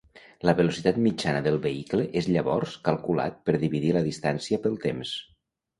La velocitat mitjana del vehicle és llavors calculat per dividir la distància pel temps.